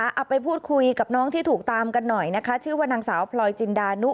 เอาไปพูดคุยกับน้องที่ถูกตามกันหน่อยนะคะชื่อว่านางสาวพลอยจินดานุ